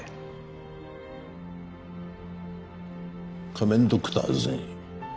仮面ドクターズに